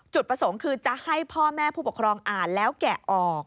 จุดประสงค์คือจะให้พ่อแม่ผู้ปกครองอ่านแล้วแกะออก